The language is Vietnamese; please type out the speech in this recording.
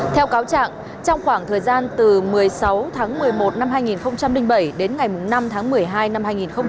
theo cáo trạng trong khoảng thời gian từ một mươi sáu tháng một mươi một năm hai nghìn bảy đến ngày năm tháng một mươi hai năm hai nghìn một mươi ba